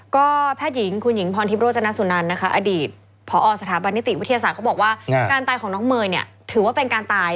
ข้อหลังจากเป็นการตายแผดเหล่านี้